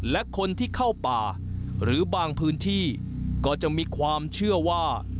และคนที่เข้าป่าหรือบางพื้นที่ก็จะมีความเชื่อว่า